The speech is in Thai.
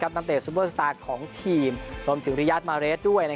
ตั้งแต่ซูเบอร์สตาร์ค์ของทีมรวมถึงริยาทมาเลสด้วย